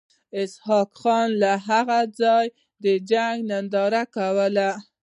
اسحق خان له هغه ځایه د جنګ ننداره کوله.